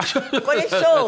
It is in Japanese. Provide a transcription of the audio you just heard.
これそう？